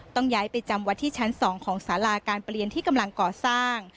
ต้องย้ายไปจำวัดที่ชั้น๒ของสาราการเปลี่ยนที่กำลังก่อสร้าง